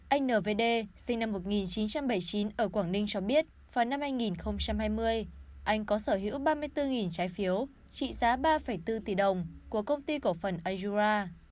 anh nvd sinh năm một nghìn chín trăm bảy mươi chín ở quảng ninh cho biết vào năm hai nghìn hai mươi anh có sở hữu ba mươi bốn trái phiếu trị giá ba bốn tỷ đồng của công ty cổ phần ajura